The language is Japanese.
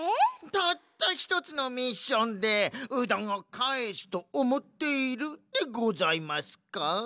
たったひとつのミッションでうどんをかえすとおもっているでございますか？